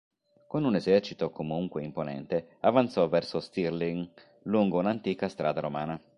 Con un esercito comunque imponente avanzò verso Stirling lungo un'antica strada romana.